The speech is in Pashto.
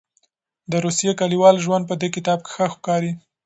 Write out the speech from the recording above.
د روسیې کلیوال ژوند په دې کتاب کې ښه ښکاري.